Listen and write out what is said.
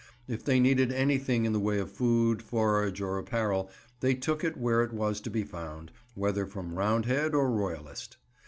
If they needed anything in the way of food, forage, or apparel, they took it where it was to be found, whether from Roundhead or Royalist.